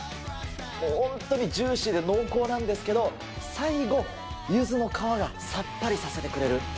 本当にジューシーで濃厚なんですけど、最後はゆずの皮がさっぱりさせてくれる。